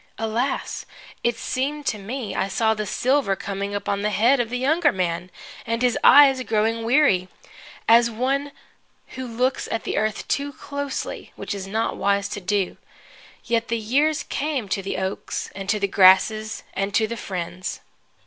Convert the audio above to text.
Alas! it seemed to me I saw the silver coming upon the head of the younger man, and his eyes growing weary, as of one who looks at the earth too closely (which it is not wise to do). Yet the years came, to the oaks and to the grasses and to the friends.